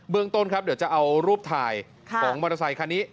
ต้นครับเดี๋ยวจะเอารูปถ่ายของมอเตอร์ไซคันนี้